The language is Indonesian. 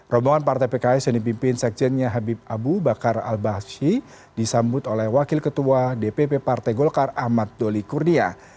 rombongan partai pks yang dipimpin sekjennya habib abu bakar al bashi disambut oleh wakil ketua dpp partai golkar ahmad doli kurnia